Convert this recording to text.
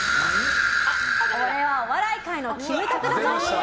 俺はお笑い界のキムタクだぞ？